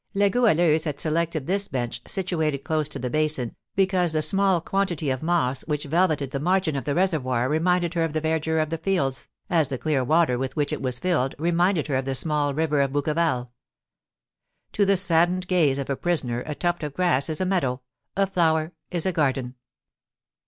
La Goualeuse had selected this bench, situated close to the basin, because the small quantity of moss which velveted the margin of the reservoir reminded her of the verdure of the fields, as the clear water with which it was filled reminded her of the small river of Bouqueval. To the saddened gaze of a prisoner a tuft of grass is a meadow, a flower is a garden.